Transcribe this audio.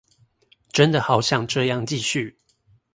真的好想這樣繼續